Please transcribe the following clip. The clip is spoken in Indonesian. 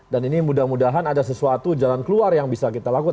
dan ini mudah mudahan ada sesuatu jalan keluar yang bisa kita lakukan